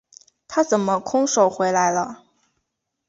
他怎么空手回来了？